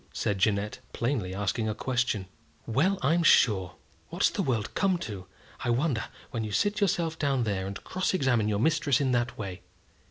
said Jeannette, plainly asking a question. "Well, I'm sure! What's the world come to, I wonder, when you sit yourself down there, and cross examine your mistress in that way!